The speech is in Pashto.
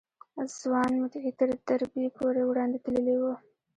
ځوان مدعي تر دربي پورې وړاندې تللی و.